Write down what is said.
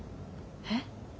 えっ？